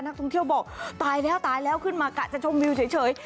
ท่องเที่ยวบอกตายแล้วตายแล้วขึ้นมากะจะชมวิวเฉย